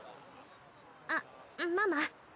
あっママ？